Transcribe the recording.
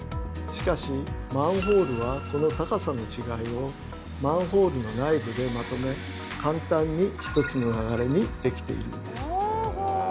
しかしマンホールはこの高さの違いをマンホールの内部でまとめ簡単に１つの流れにできているんです。